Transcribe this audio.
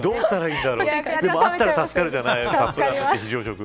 でもあったら助かるじゃないですか。